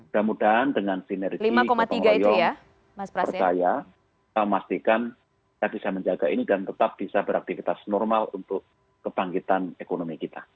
semoga dengan sinergi kepengetanayaan kita memastikan kita bisa menjaga ini dan tetap bisa beraktivitas normal untuk kebangkitan ekonomi kita